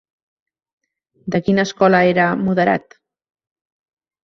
De quina escola era Moderat?